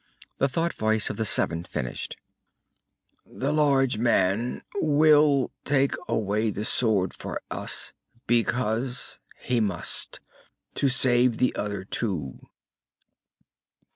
The thought voice of the seven finished, "The large man will take away the sword for us because he must to save the other two."